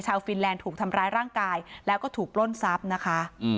ฟินแลนด์ถูกทำร้ายร่างกายแล้วก็ถูกปล้นทรัพย์นะคะ